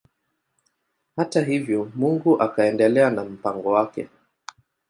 Hata hivyo Mungu akaendelea na mpango wake.